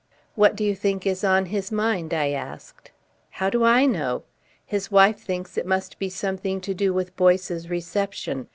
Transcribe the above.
"What do you think is on his mind?" I asked. "How do I know? His wife thinks it must be something to do with Boyce's reception.